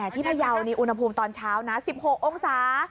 พยาวนี่อุณหภูมิตอนเช้านะ๑๖องศา